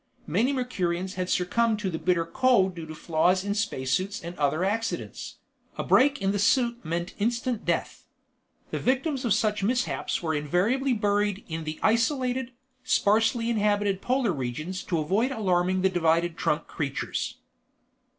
Many Mercurians had succumbed to the bitter cold due to flaws in space suits and other accidents. A break in the suit meant instant death. The victims of such mishaps were invariably buried in the isolated, sparsely inhabited Polar regions to avoid alarming the divided trunk creatures.